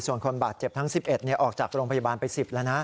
ส่วนคนบาดเจ็บทั้ง๑๑ออกจากโรงพยาบาลไป๑๐แล้วนะ